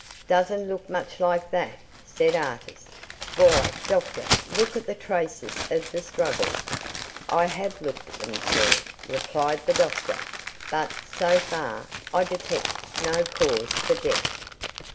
"Doesn't look much like that," said Artis. "Why, doctor, look at the traces of the struggle." "I have looked at them, sir," replied the doctor; "but, so far, I detect no cause for death.